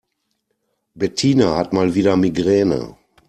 Bettina hat mal wieder Migräne.